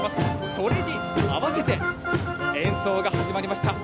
それに合わせて、演奏が始まりました。